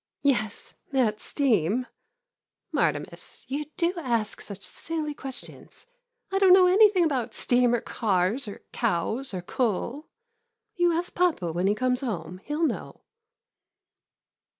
Yes, that's steam — Martimas, you do ask such silly questions ! I don't know anything about steam or cars or cows or coal! You ask papa when he comes home. He '11 know.